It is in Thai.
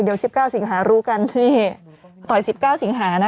เดี๋ยว๑๙สิงหารู้กัน